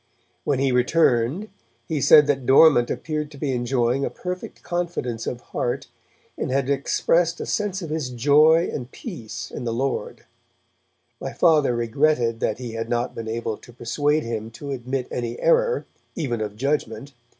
When he returned he said that Dormant appeared to be enjoying a perfect confidence of heart, and had expressed a sense of his joy and peace in the Lord; my Father regretted that he had not been able to persuade him to admit any error, even of judgement.